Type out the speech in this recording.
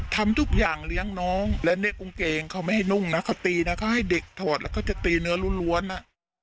ทำทุกอย่างเลี้ยงน้องและเด็กกางเกงเขาไม่ให้นุ่งนะเขาตีนะเขาให้เด็กถอดแล้วเขาจะตีเนื้อล้วนอ่ะ